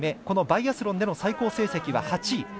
このバイアスロンでの最高成績は８位。